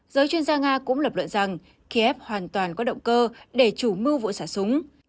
giới chuyên gia nga cũng lập luận rằng kiev hoàn toàn có động cơ để chủ mưu vụ xả súng